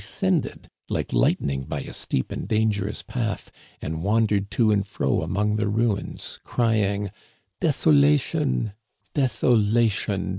scended like lightning, by a steep and dangerous path, and wandered to and fro among the ruins, crying :" Desolation ! desolation